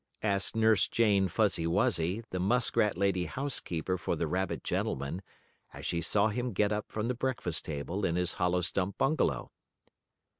asked Nurse Jane Fuzzy Wuzzy, the muskrat lady housekeeper for the rabbit gentleman, as she saw him get up from the breakfast table in his hollow stump bungalow.